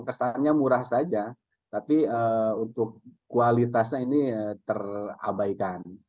kesannya murah saja tapi untuk kualitasnya ini terabaikan